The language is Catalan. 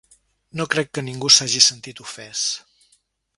No crec que ningú s'hagi sentit ofès.